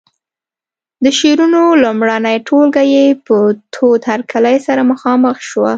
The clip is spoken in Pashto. د شعرونو لومړنۍ ټولګه یې په تود هرکلي سره مخامخ شوه.